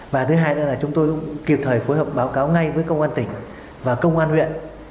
và thứ hai là chúng tôi cũng kịp thời phối hợp báo cáo ngay với công an tỉnh và công an huyện